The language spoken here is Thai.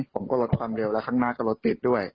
ผมก็ลดความเร็วแล้วข้างหน้าก็รถติดด้วย